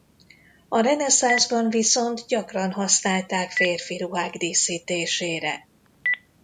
A reneszánszban viszont gyakran használták férfi ruhák díszítésére.